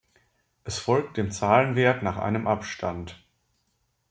Es folgt dem Zahlenwert nach einem Abstand.